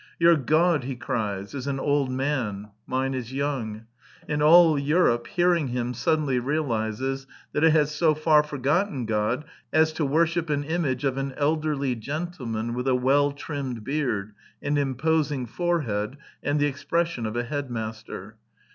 " Your God," he cries, " is an old man : mine is young "; and all Europe, hearing him, suddenly realizes that it has so far forgotten God as to worship an image of an elderly gentle man with a well trimmed beard, an imposing fore head, and the expression of a headmaster.